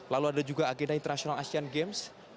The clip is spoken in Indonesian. lalu ada juga agenda internasional asian games